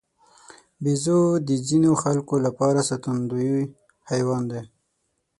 بیزو د ځینو خلکو لپاره ساتندوی حیوان دی.